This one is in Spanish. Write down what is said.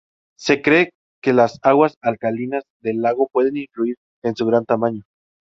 Se cree que las aguas alcalinas del lago pueden influir en su gran tamaño.